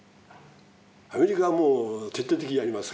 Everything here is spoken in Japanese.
アメリカはもう徹底的にやりますから。